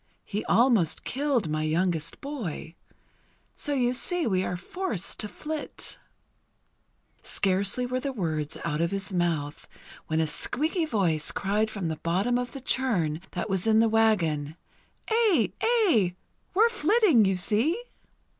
He almost killed my youngest boy. So you see we are forced to flit." Scarcely were the words out of his mouth when a squeaky voice cried from the bottom of the churn, that was in the wagon: "Aye! Aye! We're flitting, you see!"